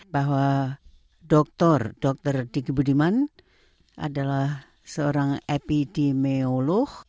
bahwa dokter dokter diki budiman adalah seorang epidemiolog